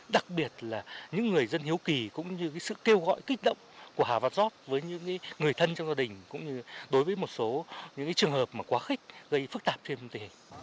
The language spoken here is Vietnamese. đặc biệt là những người dân hiếu kỳ cũng như sự kêu gọi kích động của hà văn giót với những người thân trong gia đình cũng như đối với một số những trường hợp mà quá khích gây phức tạp thêm